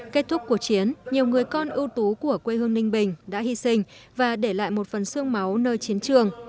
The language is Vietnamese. kết thúc cuộc chiến nhiều người con ưu tú của quê hương ninh bình đã hy sinh và để lại một phần sương máu nơi chiến trường